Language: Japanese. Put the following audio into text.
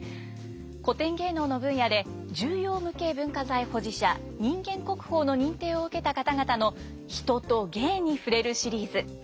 古典芸能の分野で重要無形文化財保持者人間国宝の認定を受けた方々の「人と芸」に触れるシリーズ。